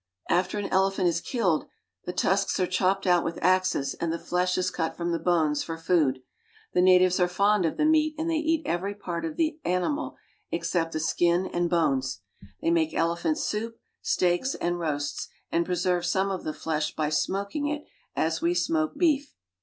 After an elephant is killed, the tusks are chopped out with axes and the flesh is cut from the bones for food. The natives are fond of the meat, and they eat every part of the animal except the skin and bones. They make elephant soup, steaks, and roasts, and preserve some of the flesh ty smoking it as we smoke beef.